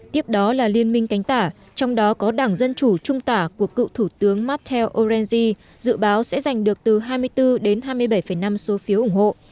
tiếp đó là liên minh cánh tả trong đó có đảng dân chủ trung tả của cựu thủ tướng matheo orengi dự báo sẽ giành được từ hai mươi bốn đến hai mươi bảy năm số phiếu ủng hộ